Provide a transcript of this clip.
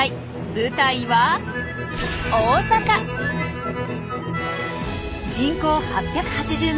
舞台は人口８８０万。